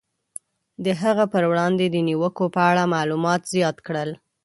د هغه پر وړاندې د نیوکو په اړه معلومات زیات کړل.